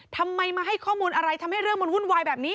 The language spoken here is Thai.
ทำไมมาให้ข้อมูลอะไรทำให้เรื่องมันวุ่นวายแบบนี้